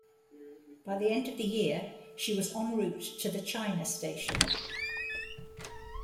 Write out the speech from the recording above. By the end of the year, she was en route to the China Station.